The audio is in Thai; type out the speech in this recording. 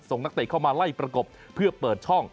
นักเตะเข้ามาไล่ประกบเพื่อเปิดช่อง